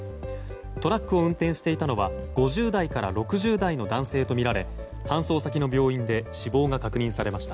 トラックを運転していたのは５０代から６０代の男性とみられ搬送先の病院で死亡が確認されました。